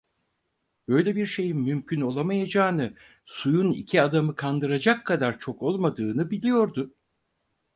Böyle bir şeyin mümkün olamayacağını, suyun iki adamı kandıracak kadar çok olmadığını biliyordu.